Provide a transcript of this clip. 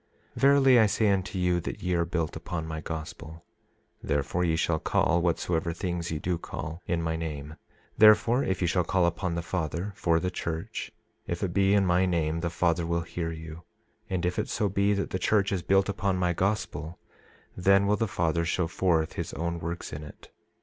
27:9 Verily I say unto you, that ye are built upon my gospel; therefore ye shall call whatsoever things ye do call, in my name; therefore if ye call upon the Father, for the church, if it be in my name the Father will hear you; 27:10 And if it so be that the church is built upon my gospel then will the Father show forth his own works in it.